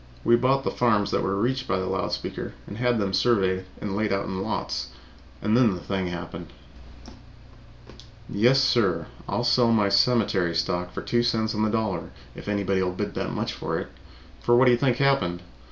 We bought the farms that were reached by the loud speaker and had them surveyed and laid out in lots and then the thing happened! Yes, sir, I'll sell my cemetery stock for two cents on the dollar, if anybody will bid that much for it. For what do you think happened?